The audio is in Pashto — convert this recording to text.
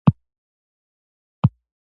تالک د څه شي په جوړولو کې کاریږي؟